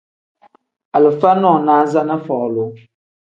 Alifa nonaza ni folu.